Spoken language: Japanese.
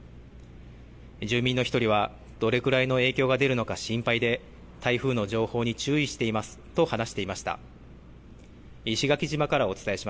住民の１人は、どれくらいの影響が出るのか心配で、台風の情報に注意していますと話していました。